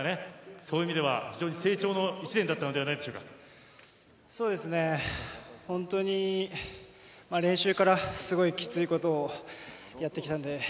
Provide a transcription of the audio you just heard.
そういう意味では非常に成長の１年だったのでは本当に、練習からすごいきついことをやってきたので。